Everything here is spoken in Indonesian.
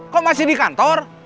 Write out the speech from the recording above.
kok masih di kantor